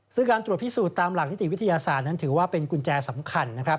ซึ่งการตรวจพิสูจน์ตามหลักนิติวิทยาศาสตร์นั้นถือว่าเป็นกุญแจสำคัญนะครับ